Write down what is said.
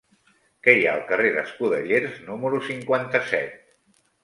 Què hi ha al carrer d'Escudellers número cinquanta-set?